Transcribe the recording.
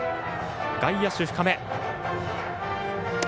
外野手は深め。